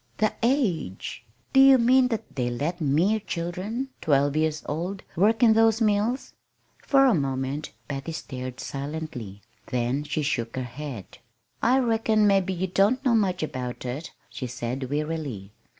"The age! Do you mean that they let mere children, twelve years old, work in those mills?" For a moment Patty stared silently. Then she shook her head. "I reckon mebbe ye don't know much about it," she said wearily.